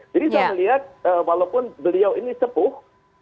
jadi saya melihat walaupun beliau ini sepuh